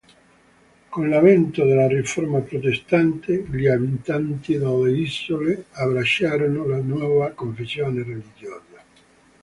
Con l'avvento della riforma protestante gli abitanti delle isole abbracciarono la nuova confessione religiosa.